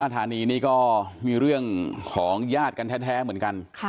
ธานีนี่ก็มีเรื่องของญาติกันแท้เหมือนกัน